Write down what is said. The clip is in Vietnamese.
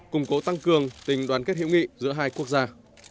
củng cố tăng cường tình đoàn kết hữu nghị giữa hai quốc gia